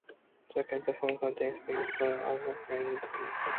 The campus contains spacious grounds, as well as playing fields.